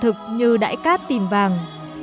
những thách thức như đại cát tìm vàng